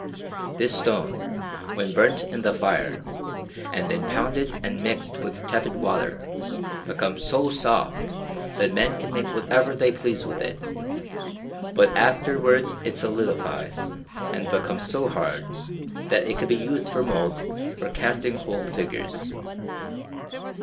This stone, when burnt in the fire, and then pounded and mixed with tepid water, becomes so soft that men can make whatever they please with it; but afterwards it solidifies and becomes so hard, that it can be used for moulds for casting whole figures.